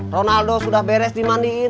ronaldo sudah beres dimandiin